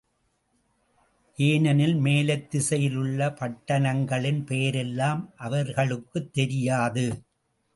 ஏனெனில் மேலைத் திசையில் உள்ள பட்டணங்களின் பெயரெல்லாம் அவர்களுக்குத் தெரியாது.